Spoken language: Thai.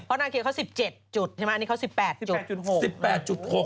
เพราะนาคีเค้า๑๗จุดใช่ไหมอันนี้เค้า๑๘จุด